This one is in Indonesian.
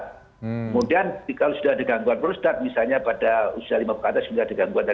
kemudian kalau sudah ada gangguan prostat misalnya pada usia lima berkata sudah ada gangguan prostat